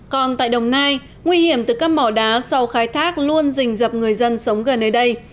còn tại đồng nai nguy hiểm từ các mỏ đá sau khai thác luôn rình dập người dân sống gần nơi đây